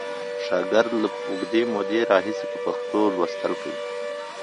شاګرد له اوږدې مودې راهیسې په پښتو لوستل کوي.